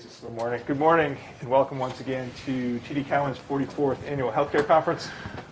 Good afternoon, or I guess it's still morning. Good morning, and welcome once again to TD Cowen's 44th Annual Healthcare Conference.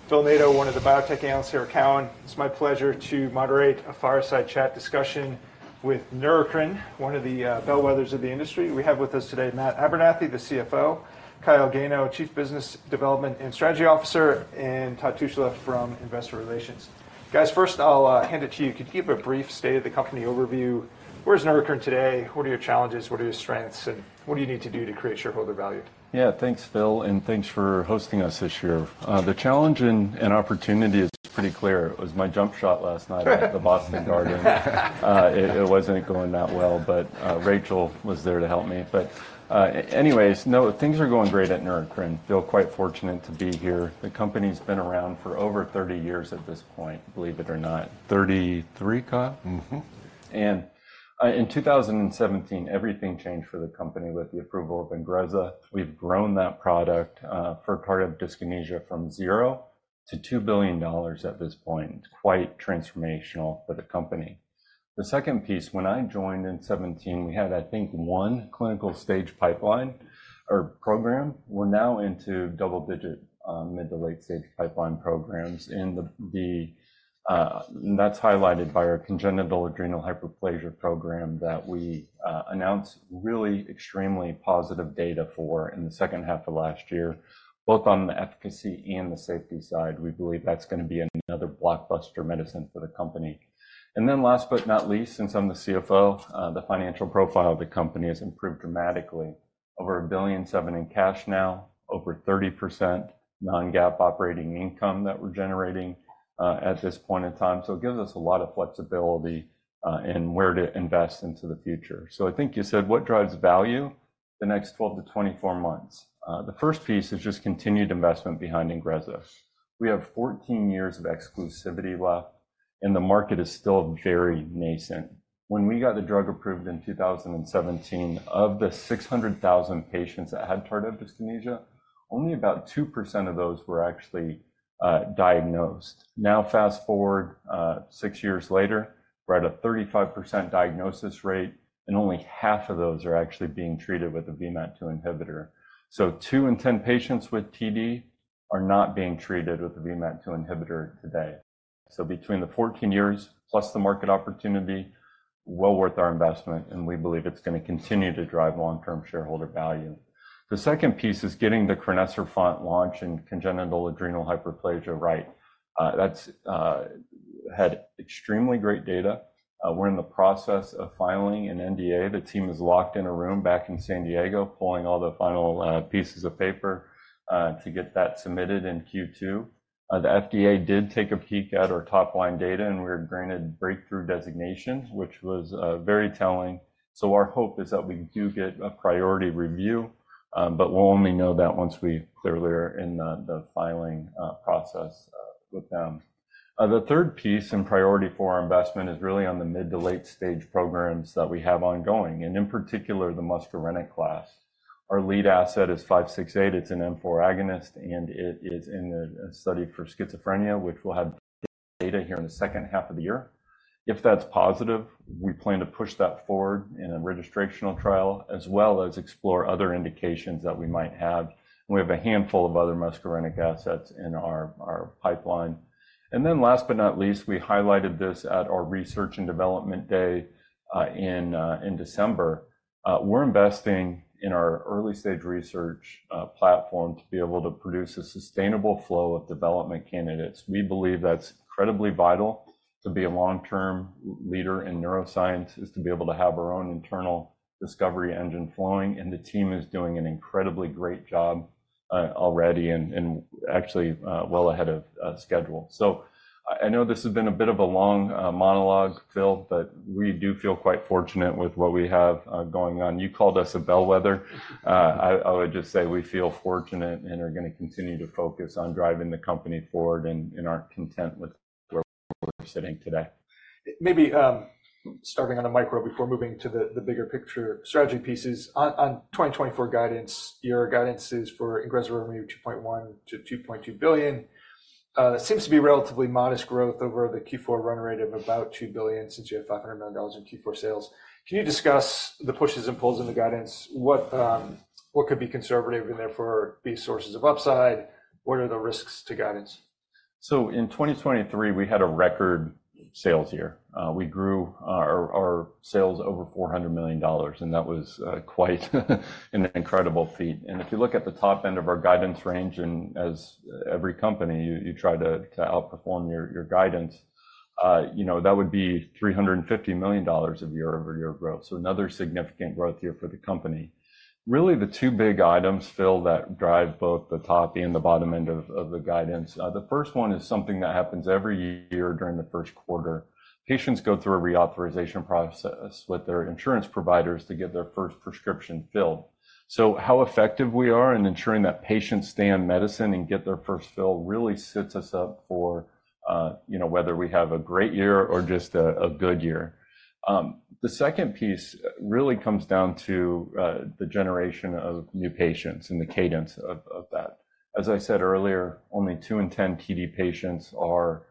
Phil Nadeau, one of the biotech analysts here at Cowen. It's my pleasure to moderate a fireside chat discussion with Neurocrine, one of the bellwethers of the industry. We have with us today Matt Abernethy, the CFO, Kyle Gano, Chief Business Development and Strategy Officer, and Todd Tushla from Investor Relations. Guys, first I'll hand it to you. Could you give a brief state of the company overview? Where is Neurocrine today? What are your challenges? What are your strengths, and what do you need to do to create shareholder value? Yeah. Thanks, Phil, and thanks for hosting us this year. The challenge and opportunity is pretty clear. It was my jump shot last night at the Boston Garden. It wasn't going that well, but Rachel was there to help me. Anyways, no, things are going great at Neurocrine. Feel quite fortunate to be here. The company's been around for over 30 years at this point, believe it or not. 33, Kyle? Mm-hmm. In 2017, everything changed for the company with the approval of Ingrezza. We've grown that product for tardive dyskinesia from zero to $2 billion at this point. It's quite transformational for the company. The second piece, when I joined in 2017, we had, I think, 1 clinical stage pipeline or program. We're now into double-digit, mid- to late-stage pipeline programs, and that's highlighted by our congenital adrenal hyperplasia program that we announced really extremely positive data for in the second half of last year, both on the efficacy and the safety side. We believe that's gonna be another blockbuster medicine for the company. And then last but not least, since I'm the CFO, the financial profile of the company has improved dramatically. Over $1.7 billion in cash now, over 30% non-GAAP operating income that we're generating at this point in time. So it gives us a lot of flexibility in where to invest into the future. So I think you said, what drives value the next 12-24 months? The first piece is just continued investment behind Ingrezza. We have 14 years of exclusivity left, and the market is still very nascent. When we got the drug approved in 2017, of the 600,000 patients that had tardive dyskinesia, only about 2% of those were actually diagnosed. Now, fast-forward 6 years later, we're at a 35% diagnosis rate, and only half of those are actually being treated with a VMAT2 inhibitor. So 2 in 10 patients with TD are not being treated with a VMAT2 inhibitor today. So between the 14 years plus the market opportunity, well worth our investment, and we believe it's gonna continue to drive long-term shareholder value. The second piece is getting the crinecerfont launch in congenital adrenal hyperplasia right. That's had extremely great data. We're in the process of filing an NDA. The team is locked in a room back in San Diego, pulling all the final pieces of paper to get that submitted in Q2. The FDA did take a peek at our top-line data, and we were granted breakthrough designations, which was very telling. So our hope is that we do get a priority review, but we'll only know that once we're further in the filing process with them. The third piece and priority for our investment is really on the mid to late stage programs that we have ongoing, and in particular, the muscarinic class. Our lead asset is 568. It's an M4 agonist, and it is in a study for schizophrenia, which we'll have data here in the second half of the year. If that's positive, we plan to push that forward in a registrational trial, as well as explore other indications that we might have. We have a handful of other muscarinic assets in our pipeline. And then last but not least, we highlighted this at our Research and Development Day in December. We're investing in our early-stage research platform to be able to produce a sustainable flow of development candidates. We believe that's incredibly vital to be a long-term leader in neuroscience, is to be able to have our own internal discovery engine flowing, and the team is doing an incredibly great job already and actually well ahead of schedule. So I know this has been a bit of a long monologue, Phil, but we do feel quite fortunate with what we have going on. You called us a bellwether. I would just say we feel fortunate and are gonna continue to focus on driving the company forward, and aren't content with where we're sitting today. Maybe, starting on the micro before moving to the bigger picture strategy pieces. On 2024 guidance, your guidance is for Ingrezza revenue, $2.1-$2.2 billion. Seems to be relatively modest growth over the Q4 run rate of about $2 billion, since you had $500 million in Q4 sales. Can you discuss the pushes and pulls in the guidance? What, what could be conservative and therefore be sources of upside? What are the risks to guidance? So in 2023, we had a record sales year. We grew our sales over $400 million, and that was quite an incredible feat. And if you look at the top end of our guidance range, and as every company, you try to outperform your guidance, you know, that would be $350 million of year-over-year growth. So another significant growth year for the company. Really, the two big items, Phil, that drive both the top and the bottom end of the guidance. The first one is something that happens every year during the first quarter. Patients go through a reauthorization process with their insurance providers to get their first prescription filled. So how effective we are in ensuring that patients stay on medicine and get their first fill really sets us up for, you know, whether we have a great year or just a good year. The second piece really comes down to the generation of new patients and the cadence of that. As I said earlier, only 2 in 10 TD patients are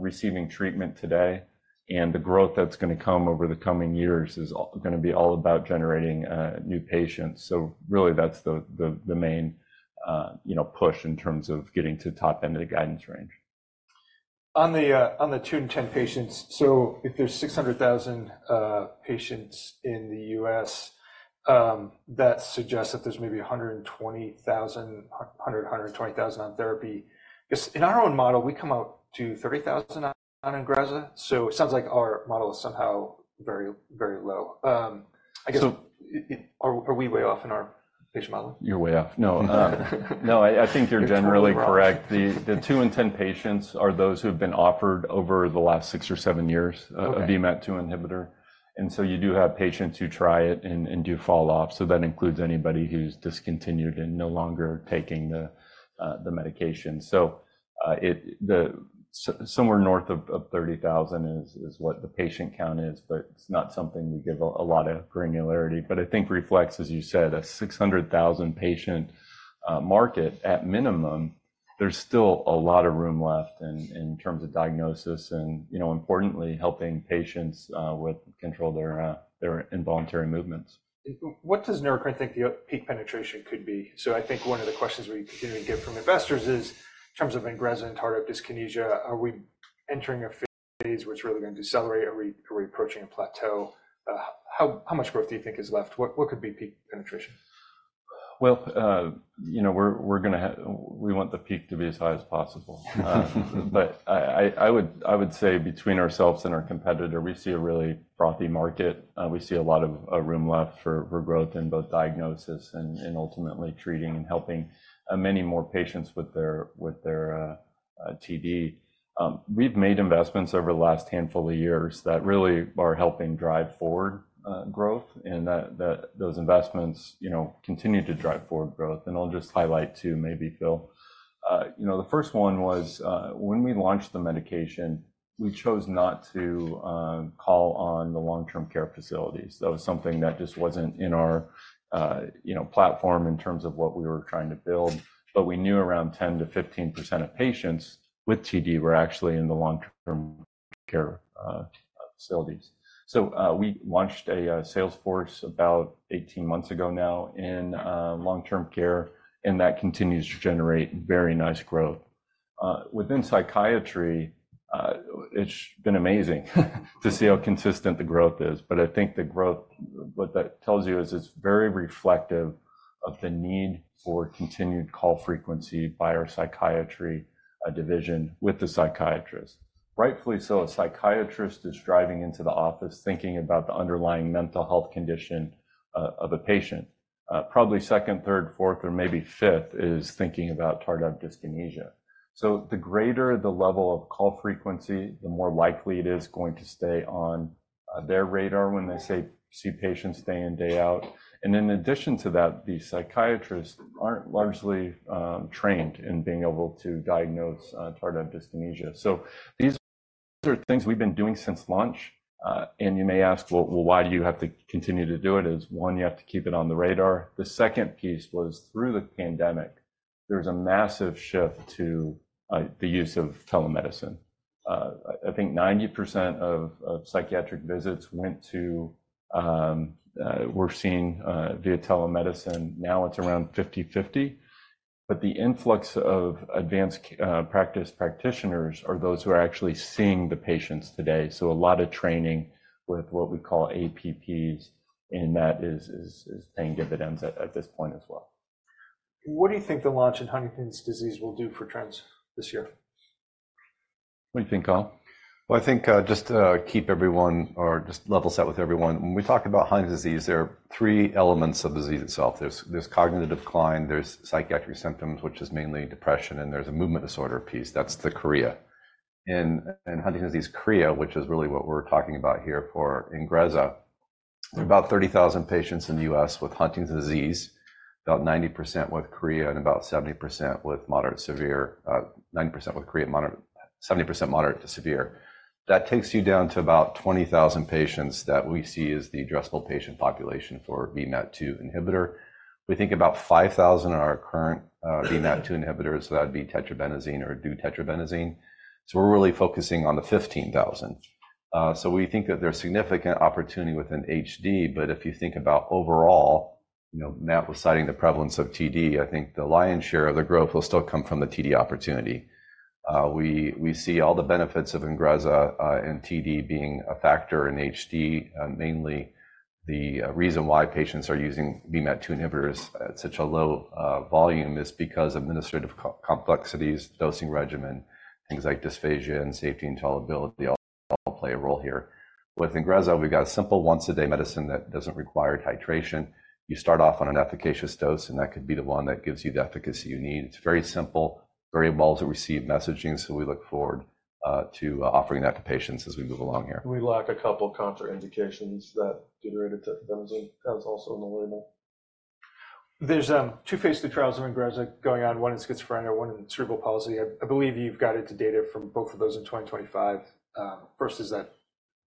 receiving treatment today, and the growth that's gonna come over the coming years is gonna be all about generating new patients. So really, that's the main, you know, push in terms of getting to top end of the guidance range. On the 2 in 10 patients, so if there's 600,000 patients in the U.S., that suggests that there's maybe 120,000, hundred, 120,000 on therapy. 'Cause in our own model, we come out to 30,000 on Ingrezza, so it sounds like our model is somehow very, very low. I guess- So- Are we way off in our patient model? You're way off. No. No, I think you're generally correct. We're totally wrong. The 2 in 10 patients are those who have been offered over the last 6 or 7 years- Okay... a VMAT2 inhibitor. So you do have patients who try it and do fall off, so that includes anybody who's discontinued and no longer taking the medication. So it's somewhere north of 30,000 is what the patient count is, but it's not something we give a lot of granularity. But I think it reflects, as you said, a 600,000 patient market at minimum. There's still a lot of room left in terms of diagnosis and, you know, importantly, helping patients with control their involuntary movements. What does Neurocrine think the peak penetration could be? So I think one of the questions we continue to get from investors is, in terms of Ingrezza and tardive dyskinesia, are we entering a phase which really going to accelerate, or are we approaching a plateau? How much growth do you think is left? What could be peak penetration? Well, you know, we're gonna have... We want the peak to be as high as possible. But I would say between ourselves and our competitor, we see a really frothy market. We see a lot of room left for growth in both diagnosis and- Mm-hmm... and ultimately treating and helping many more patients with their TD. We've made investments over the last handful of years that really are helping drive forward growth, and those investments, you know, continue to drive forward growth. And I'll just highlight two, maybe, Phil. You know, the first one was when we launched the medication, we chose not to call on the long-term care facilities. That was something that just wasn't in our platform in terms of what we were trying to build, but we knew around 10%-15% of patients with TD were actually in the long-term care facilities. So we launched a sales force about 18 months ago now in long-term care, and that continues to generate very nice growth. Within psychiatry, it's been amazing to see how consistent the growth is. But I think the growth, what that tells you is it's very reflective of the need for continued call frequency by our psychiatry division with the psychiatrist. Rightfully so, a psychiatrist is driving into the office, thinking about the underlying mental health condition of a patient. Probably second, third, fourth, or maybe fifth is thinking about tardive dyskinesia. So the greater the level of call frequency, the more likely it is going to stay on their radar when they say, see patients day in, day out. And in addition to that, the psychiatrists aren't largely trained in being able to diagnose tardive dyskinesia. So these are things we've been doing since launch. And you may ask, "Well, well, why do you have to continue to do it?" It's one, you have to keep it on the radar. The second piece was through the pandemic, there was a massive shift to the use of telemedicine. I think 90% of psychiatric visits were seen via telemedicine. Now it's around 50/50, but the influx of advanced practice practitioners are those who are actually seeing the patients today, so a lot of training with what we call APPs, and that is paying dividends at this point as well. What do you think the launch in Huntington's disease will do for trends this year? What do you think, Kyle? Well, I think just to keep everyone or just level set with everyone, when we talk about Huntington's disease, there are three elements of the disease itself: there's cognitive decline, there's psychiatric symptoms, which is mainly depression, and there's a movement disorder piece, that's the chorea. In Huntington's disease, chorea, which is really what we're talking about here for Ingrezza, about 30,000 patients in the US with Huntington's disease, about 90% with chorea and about 70% with moderate severe. 90% with chorea, moderate seventy percent moderate to severe. That takes you down to about 20,000 patients that we see as the addressable patient population for VMAT2 inhibitor. We think about 5,000 are current VMAT2 inhibitors, so that'd be tetrabenazine or deutetrabenazine. So we're really focusing on the 15,000. So we think that there's significant opportunity within HD, but if you think about overall, you know, Matt was citing the prevalence of TD. I think the lion's share of the growth will still come from the TD opportunity. We see all the benefits of Ingrezza in TD being a factor in HD. Mainly, the reason why patients are using VMAT2 inhibitors at such a low volume is because administrative complexities, dosing regimen, things like dysphagia and safety and tolerability all play a role here. With Ingrezza, we've got a simple once-a-day medicine that doesn't require titration. You start off on an efficacious dose, and that could be the one that gives you the efficacy you need. It's very simple, very well-received messaging, so we look forward to offering that to patients as we move along here. We lack a couple of contraindications that generic tetrabenazine has also on the label. There's two Phase 3 trials of Ingrezza going on, one in schizophrenia, one in cerebral palsy. I believe you've got it to data from both of those in 2025.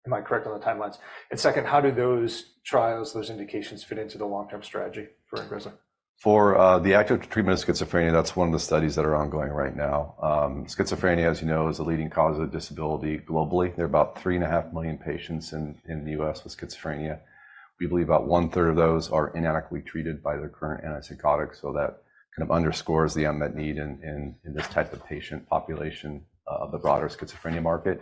Am I correct on the timelines? And second, how do those trials, those indications fit into the long-term strategy for Ingrezza? For the active treatment of schizophrenia, that's one of the studies that are ongoing right now. Schizophrenia, as you know, is a leading cause of disability globally. There are about 3.5 million patients in the U.S. with schizophrenia. We believe about one-third of those are inadequately treated by the current antipsychotics, so that kind of underscores the unmet need in this type of patient population, of the broader schizophrenia market.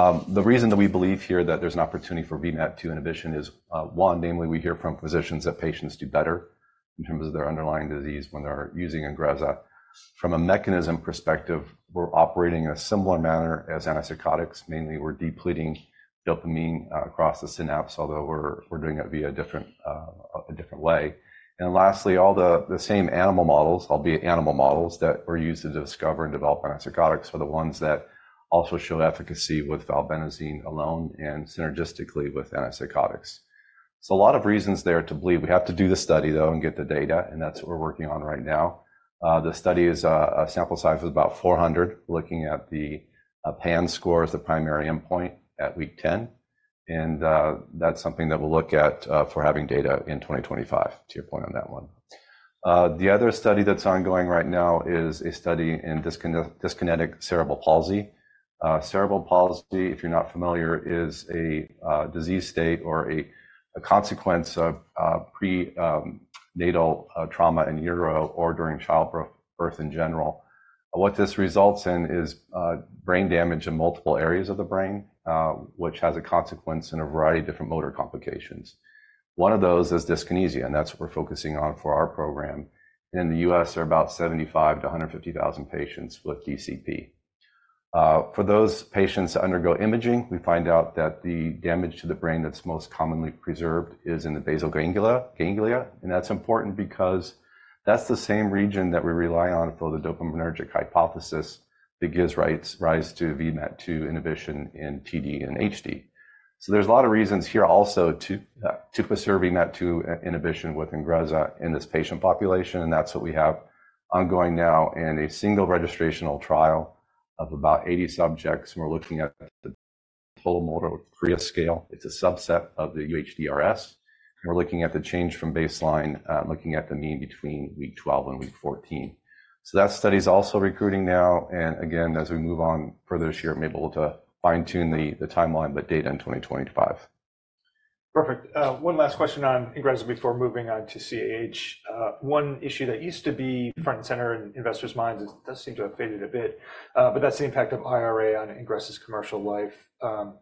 The reason that we believe here that there's an opportunity for VMAT2 inhibition is one, namely, we hear from physicians that patients do better in terms of their underlying disease when they're using Ingrezza. From a mechanism perspective, we're operating in a similar manner as antipsychotics. Mainly, we're depleting dopamine across the synapse, although we're doing it via a different way. Lastly, all the same animal models, albeit animal models, that were used to discover and develop antipsychotics are the ones that also show efficacy with valbenazine alone and synergistically with antipsychotics. So a lot of reasons there to believe. We have to do the study, though, and get the data, and that's what we're working on right now. The study is a sample size of about 400, looking at the PANSS score as the primary endpoint at week 10, and that's something that we'll look at for having data in 2025, to your point on that one. The other study that's ongoing right now is a study in dyskinetic cerebral palsy. Cerebral palsy, if you're not familiar, is a disease state or a consequence of prenatal trauma in utero or during childbirth, birth in general. What this results in is brain damage in multiple areas of the brain, which has a consequence in a variety of different motor complications. One of those is dyskinesia, and that's what we're focusing on for our program. In the U.S., there are about 75-150 thousand patients with DCP. For those patients that undergo imaging, we find out that the damage to the brain that's most commonly preserved is in the basal ganglia, and that's important because that's the same region that we rely on for the dopaminergic hypothesis that gives rise to VMAT2 inhibition in TD and HD. So there's a lot of reasons here also to preserving that VMAT2 inhibition with Ingrezza in this patient population, and that's what we have ongoing now in a single registrational trial of about 80 subjects, and we're looking at the Total Maximal Chorea scale. It's a subset of the UHDRS. We're looking at the change from baseline, looking at the mean between week 12 and week 14. So that study is also recruiting now, and again, as we move on further this year, I'm able to fine-tune the timeline, but data in 2025. Perfect. One last question on Ingrezza before moving on to CAH. One issue that used to be front and center in investors' minds, it does seem to have faded a bit, but that's the impact of IRA on Ingrezza's commercial life.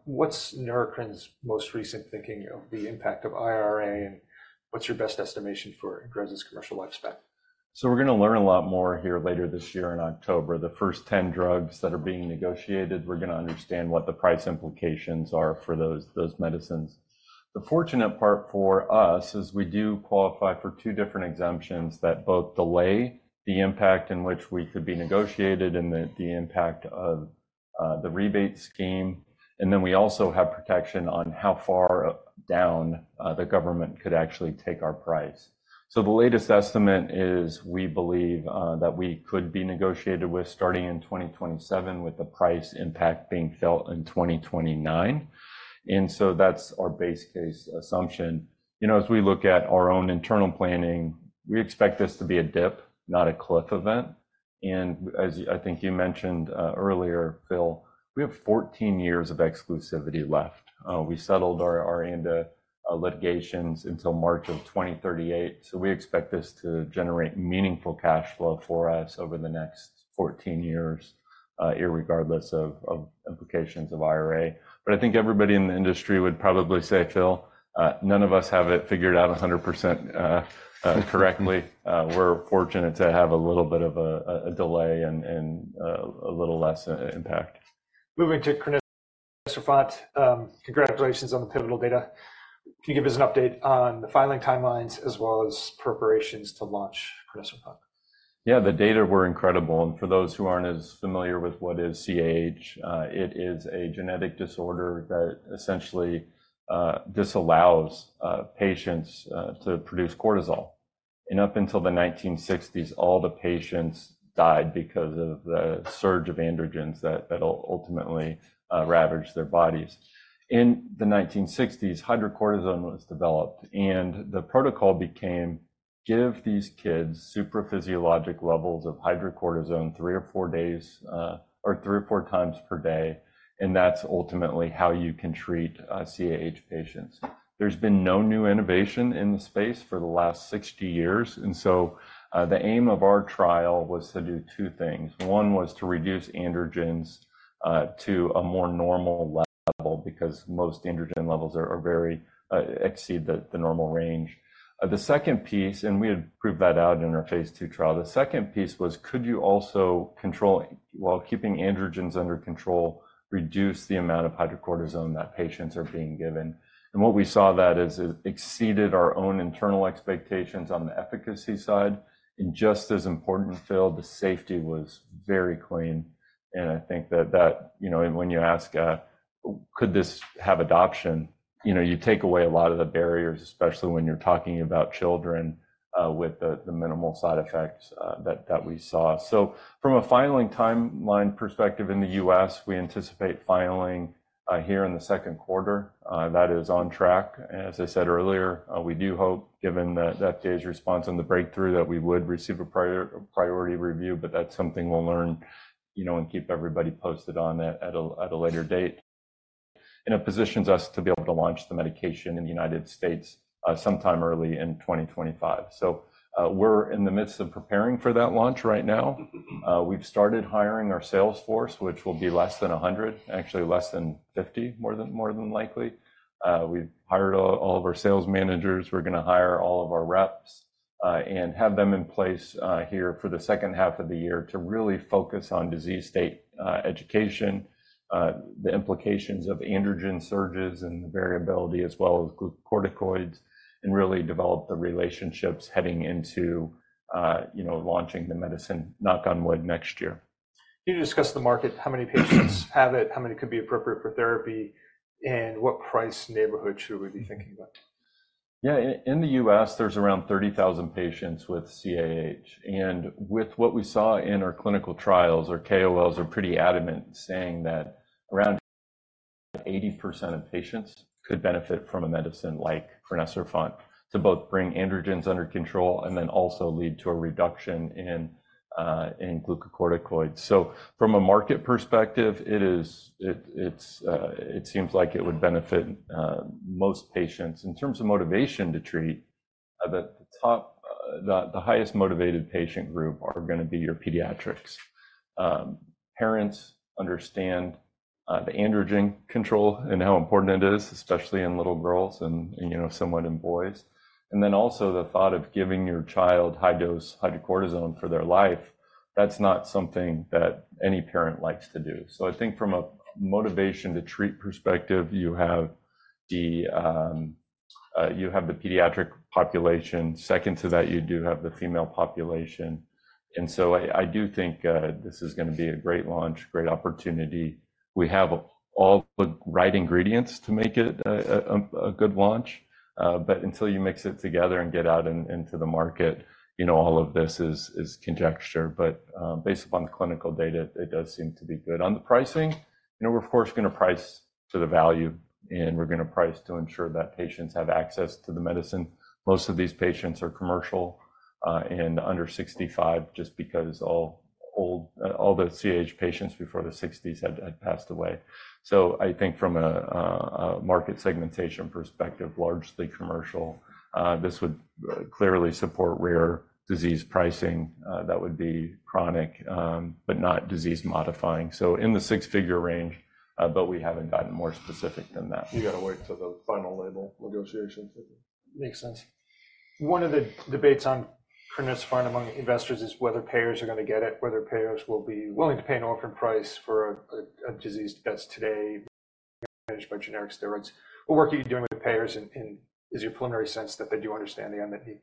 What's Neurocrine's most recent thinking of the impact of IRA, and what's your best estimation for Ingrezza's commercial lifespan? So we're gonna learn a lot more here later this year in October. The first 10 drugs that are being negotiated, we're gonna understand what the price implications are for those, those medicines. The fortunate part for us is we do qualify for two different exemptions that both delay the impact in which we could be negotiated and the, the impact of the rebate scheme, and then we also have protection on how far down the government could actually take our price. So the latest estimate is, we believe that we could be negotiated with starting in 2027, with the price impact being felt in 2029. And so that's our base case assumption. You know, as we look at our own internal planning, we expect this to be a dip, not a cliff event, and as I think you mentioned earlier, Phil, we have 14 years of exclusivity left. We settled our ANDA litigations until March of 2038, so we expect this to generate meaningful cash flow for us over the next 14 years irregardless of implications of IRA. But I think everybody in the industry would probably say, Phil, none of us have it figured out 100% correctly. We're fortunate to have a little bit of a delay and a little less impact. Moving to crinecerfont, congratulations on the pivotal data. Can you give us an update on the filing timelines as well as preparations to launch crinecerfont? Yeah, the data were incredible, and for those who aren't as familiar with what is CAH, it is a genetic disorder that essentially disallows patients to produce cortisol. And up until the 1960s, all the patients died because of the surge of androgens that ultimately ravaged their bodies. In the 1960s, hydrocortisone was developed, and the protocol became: give these kids supraphysiologic levels of hydrocortisone, 3 or 4 days or 3 or 4 times per day, and that's ultimately how you can treat CAH patients. There's been no new innovation in the space for the last 60 years, and so the aim of our trial was to do two things. One was to reduce androgens to a more normal level, because most androgen levels are very... exceed the normal range. The second piece, and we had proved that out in our Phase 2 trial. The second piece was: could you also control, while keeping androgens under control, reduce the amount of hydrocortisone that patients are being given? And what we saw that is, it exceeded our own internal expectations on the efficacy side, and just as important, Phil, the safety was very clean, and I think that... You know, and when you ask, could this have adoption, you know, you take away a lot of the barriers, especially when you're talking about children... with the minimal side effects that we saw. So from a filing timeline perspective in the U.S., we anticipate filing here in the second quarter. That is on track. As I said earlier, we do hope, given the FDA's response and the breakthrough, that we would receive a priority review, but that's something we'll learn, you know, and keep everybody posted on it at a later date. It positions us to be able to launch the medication in the United States, sometime early in 2025. So, we're in the midst of preparing for that launch right now. We've started hiring our sales force, which will be less than 100, actually less than 50, more than likely. We've hired all of our sales managers. We're gonna hire all of our reps, and have them in place, here for the second half of the year to really focus on disease state education, the implications of androgen surges and the variability, as well as glucocorticoids, and really develop the relationships heading into, you know, launching the medicine, knock on wood, next year. Can you discuss the market? How many patients have it, how many could be appropriate for therapy, and what price neighborhood should we be thinking about? Yeah. In the US, there's around 30,000 patients with CAH, and with what we saw in our clinical trials, our KOLs are pretty adamant saying that around 80% of patients could benefit from a medicine like crinecerfont, to both bring androgens under control and then also lead to a reduction in glucocorticoids. So from a market perspective, it is... It, it's, it seems like it would benefit most patients. In terms of motivation to treat, the top, the highest motivated patient group are gonna be your pediatrics. Parents understand the androgen control and how important it is, especially in little girls and you know, somewhat in boys. And then also the thought of giving your child high-dose hydrocortisone for their life, that's not something that any parent likes to do. So I think from a motivation-to-treat perspective, you have the pediatric population. Second to that, you do have the female population. And so I do think this is gonna be a great launch, great opportunity. We have all the right ingredients to make it a good launch, but until you mix it together and get out into the market, you know, all of this is conjecture. But based upon the clinical data, it does seem to be good. On the pricing, you know, we're of course gonna price to the value, and we're gonna price to ensure that patients have access to the medicine. Most of these patients are commercial and under 65, just because all the CAH patients before their sixties had passed away. So I think from a market segmentation perspective, largely commercial, this would clearly support rare disease pricing. That would be chronic, but not disease-modifying. So in the six-figure range, but we haven't gotten more specific than that. You got to wait till the final label negotiations. Makes sense. One of the debates on crinecerfont among investors is whether payers are gonna get it, whether payers will be willing to pay an upfront price for a, a disease that's today managed by generic steroids. What work are you doing with the payers, and, and is your preliminary sense that they do understand the unmet need?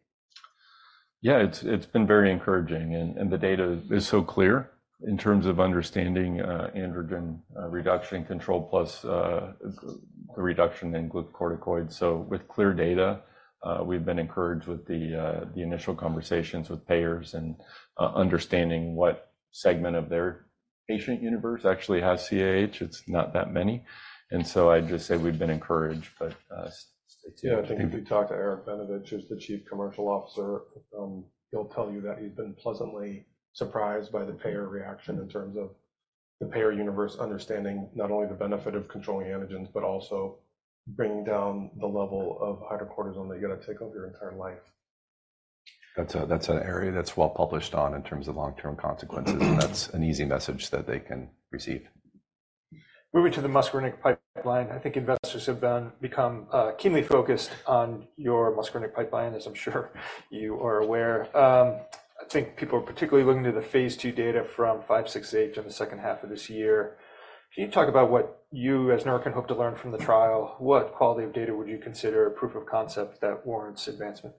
Yeah, it's, it's been very encouraging, and, and the data is so clear in terms of understanding, androgen, reduction control, plus, the reduction in glucocorticoids. So with clear data, we've been encouraged with the, the initial conversations with payers and, understanding what segment of their patient universe actually has CAH. It's not that many, and so I'd just say we've been encouraged, but, yeah- I think if you talk to Eric Benevich, who's the Chief Commercial Officer, he'll tell you that he's been pleasantly surprised by the payer reaction in terms of the payer universe understanding not only the benefit of controlling androgens, but also bringing down the level of hydrocortisone that you got to take over your entire life. That's an area that's well published on in terms of long-term consequences, and that's an easy message that they can receive. Moving to the muscarinic pipeline, I think investors have become keenly focused on your muscarinic pipeline, as I'm sure you are aware. I think people are particularly looking to the Phase II data 568 in the second half of this year. Can you talk about what you as Neurocrine hope to learn from the trial? What quality of data would you consider a proof of concept that warrants advancement?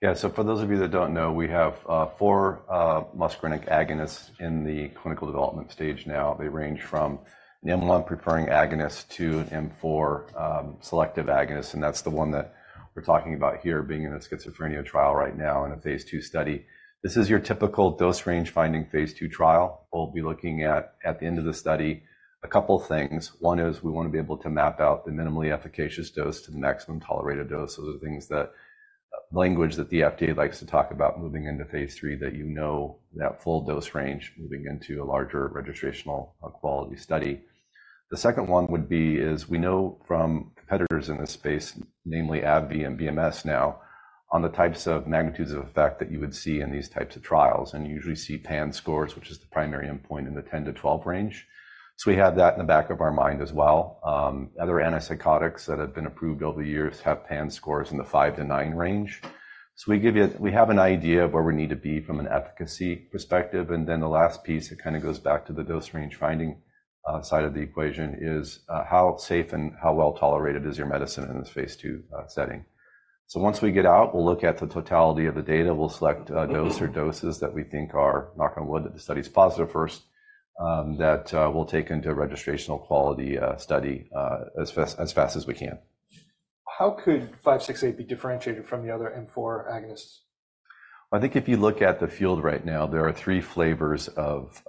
Yeah. So for those of you that don't know, we have four muscarinic agonists in the clinical development stage now. They range from an M1 preferring agonist to an M4 selective agonist, and that's the one that we're talking about here, being in a schizophrenia trial right now in a Phase II study. This is your typical dose range-finding Phase II trial. We'll be looking at, at the end of the study, a couple of things. One is we want to be able to map out the minimally efficacious dose to the maximum tolerated dose. So the things that language that the FDA likes to talk about moving into Phase III, that you know that full dose range moving into a larger registrational quality study. The second one would be is, we know from competitors in this space, namely AbbVie and BMS now, on the types of magnitudes of effect that you would see in these types of trials, and you usually see PANSS scores, which is the primary endpoint in the 10-12 range. So we have that in the back of our mind as well. Other antipsychotics that have been approved over the years have PANSS scores in the 5-9 range. So we have an idea of where we need to be from an efficacy perspective, and then the last piece, it kinda goes back to the dose range-finding side of the equation, is how safe and how well tolerated is your medicine in this Phase II setting? So once we get out, we'll look at the totality of the data. We'll select a dose or doses that we think are, knock on wood, that the study's positive first, that we'll take into a registrational quality study as fast as we can.... How could five six eight be differentiated from the other M4 agonists? I think if you look at the field right now, there are three flavors of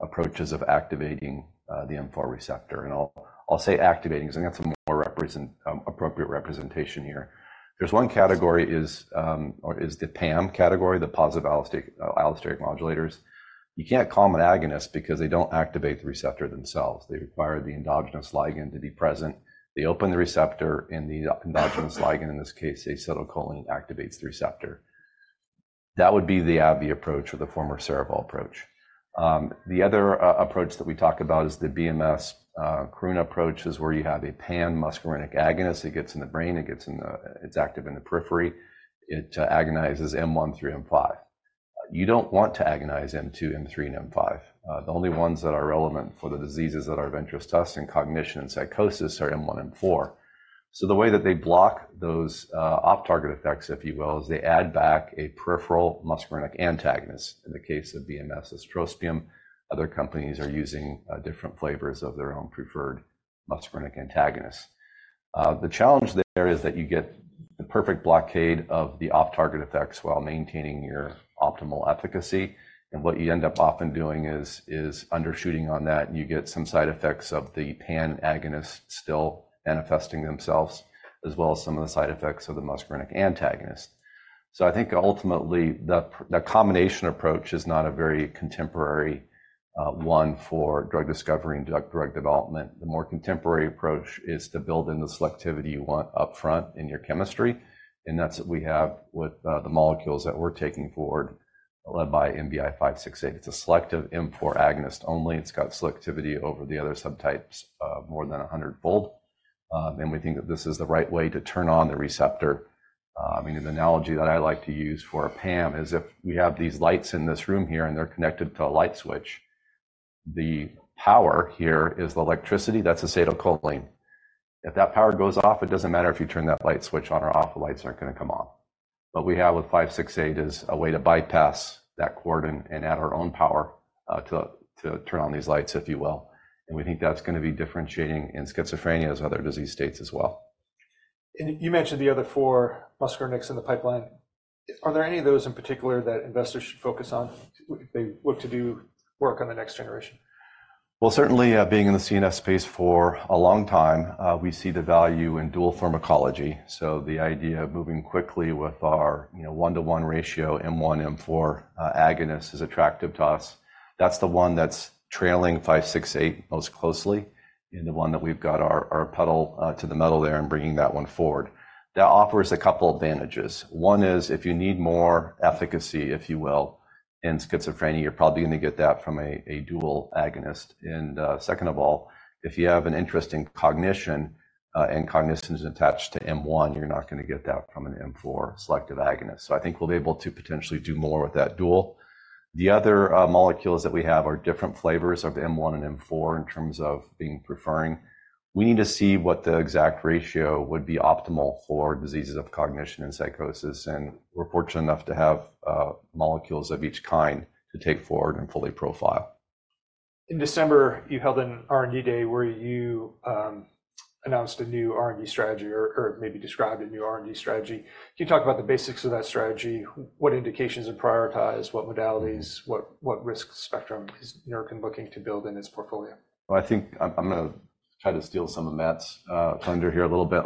approaches of activating the M4 receptor. And I'll say activating, 'cause I think that's a more appropriate representation here. There's one category is the PAM category, the positive allosteric modulators. You can't call them an agonist because they don't activate the receptor themselves. They require the endogenous ligand to be present. They open the receptor, and the endogenous ligand, in this case, acetylcholine, activates the receptor. That would be the AbbVie approach or the former Servier approach. The other approach that we talk about is the BMS Karuna approach, is where you have a pan-muscarinic agonist. It gets in the brain. It's active in the periphery. It agonizes M1 through M5. You don't want to agonize M2, M3, and M5. The only ones that are relevant for the diseases that are of interest to us in cognition and psychosis are M1 and M4. So the way that they block those off-target effects, if you will, is they add back a peripheral muscarinic antagonist. In the case of BMS, it's trospium. Other companies are using different flavors of their own preferred muscarinic antagonist. The challenge there is that you get the perfect blockade of the off-target effects while maintaining your optimal efficacy, and what you end up often doing is undershooting on that, and you get some side effects of the pan agonist still manifesting themselves, as well as some of the side effects of the muscarinic antagonist. So I think ultimately, the combination approach is not a very contemporary one for drug discovery and drug development. The more contemporary approach is to build in the selectivity you want upfront in your chemistry, and that's what we have with the molecules that we're taking forward, led by NBI-111568. It's a selective M4 agonist only. It's got selectivity over the other subtypes more than 100-fold. And we think that this is the right way to turn on the receptor. I mean, an analogy that I like to use for PAM is if we have these lights in this room here, and they're connected to a light switch, the power here is the electricity. That's acetylcholine. If that power goes off, it doesn't matter if you turn that light switch on or off, the lights aren't gonna come on. What we have with five six eight is a way to bypass that cord and add our own power to turn on these lights, if you will, and we think that's gonna be differentiating in schizophrenia as other disease states as well. You mentioned the other four muscarinics in the pipeline. Are there any of those in particular that investors should focus on if they look to do work on the next generation? Well, certainly, being in the CNS space for a long time, we see the value in dual pharmacology. So the idea of moving quickly with our, you know, one-to-one ratio, M1, M4, agonist is attractive to us. That's the one that's trailing five six eight most closely, and the one that we've got our pedal to the metal there and bringing that one forward. That offers a couple advantages. One is, if you need more efficacy, if you will, in schizophrenia, you're probably gonna get that from a dual agonist. And, second of all, if you have an interest in cognition, and cognition is attached to M1, you're not gonna get that from an M4 selective agonist. So I think we'll be able to potentially do more with that dual. The other, molecules that we have are different flavors of M1 and M4 in terms of being preferring. We need to see what the exact ratio would be optimal for diseases of cognition and psychosis, and we're fortunate enough to have molecules of each kind to take forward and fully profile. In December, you held an R&D Day where you announced a new R&D strategy or maybe described a new R&D strategy. Can you talk about the basics of that strategy? What indications are prioritized, what modalities, what risk spectrum is Neurocrine looking to build in its portfolio? Well, I think I'm gonna try to steal some of Matt's thunder here a little bit.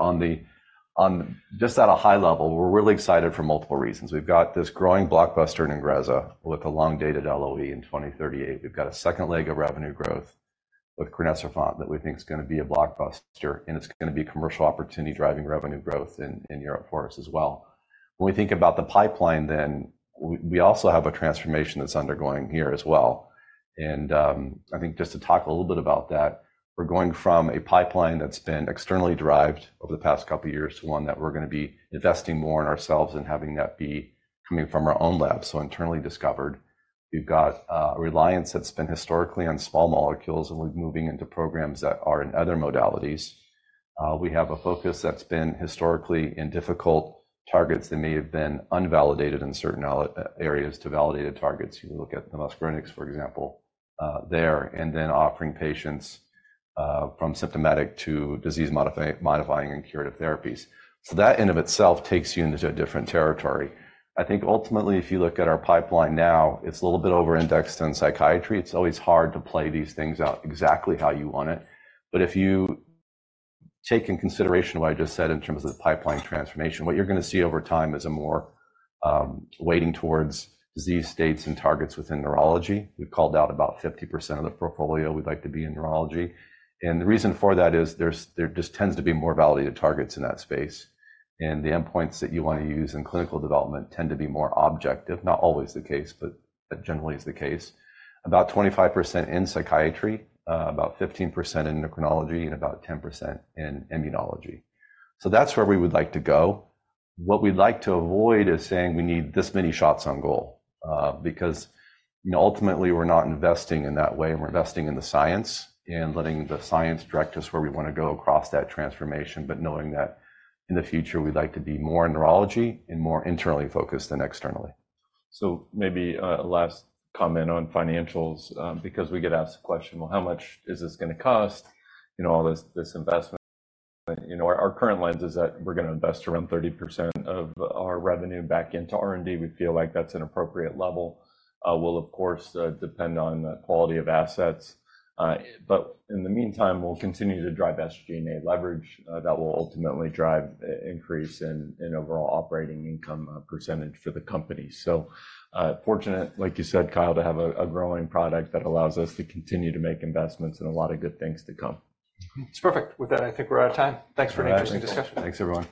On just at a high level, we're really excited for multiple reasons. We've got this growing blockbuster in Ingrezza with a long-dated LOE in 2038. We've got a second leg of revenue growth with crinecerfont that we think is gonna be a blockbuster, and it's gonna be commercial opportunity driving revenue growth in Europe for us as well. When we think about the pipeline, then, we also have a transformation that's undergoing here as well, and I think just to talk a little bit about that, we're going from a pipeline that's been externally derived over the past couple of years to one that we're gonna be investing more in ourselves and having that be coming from our own lab, so internally discovered. We've got a reliance that's been historically on small molecules, and we're moving into programs that are in other modalities. We have a focus that's been historically in difficult targets that may have been unvalidated in certain allo- areas to validated targets. You look at the muscarinics, for example, there, and then offering patients from symptomatic to disease modify- modifying and curative therapies. So that, in of itself, takes you into a different territory. I think ultimately, if you look at our pipeline now, it's a little bit over-indexed in psychiatry. It's always hard to play these things out exactly how you want it. But if you take in consideration what I just said in terms of the pipeline transformation, what you're gonna see over time is a more weighting towards disease states and targets within neurology. We've called out about 50% of the portfolio we'd like to be in neurology. The reason for that is there just tends to be more validated targets in that space, and the endpoints that you want to use in clinical development tend to be more objective. Not always the case, but that generally is the case. About 25% in psychiatry, about 15% in endocrinology, and about 10% in immunology. That's where we would like to go. What we'd like to avoid is saying we need this many shots on goal, because, you know, ultimately, we're not investing in that way, and we're investing in the science and letting the science direct us where we want to go across that transformation, but knowing that in the future, we'd like to be more in neurology and more internally focused than externally. So maybe a last comment on financials, because we get asked the question, "Well, how much is this gonna cost, you know, all this, this investment?" You know, our current lens is that we're gonna invest around 30% of our revenue back into R&D. We feel like that's an appropriate level. Will, of course, depend on the quality of assets, but in the meantime, we'll continue to drive SG&A leverage that will ultimately drive an increase in overall operating income percentage for the company. So fortunate, like you said, Kyle, to have a growing product that allows us to continue to make investments and a lot of good things to come. It's perfect. With that, I think we're out of time. Thanks for an interesting discussion. Thanks, everyone.